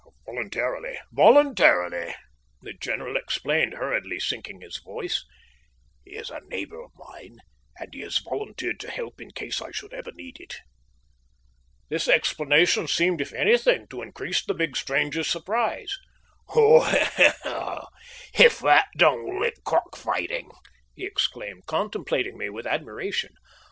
"Voluntarily, voluntarily," the general explained, hurriedly sinking his voice. "He is a neighbour of mine, and he has volunteered his help in case I should ever need it." This explanation seemed, if anything, to increase the big stranger's surprise. "Well, if that don't lick cock fighting!" he exclaimed, contemplating me with admiration.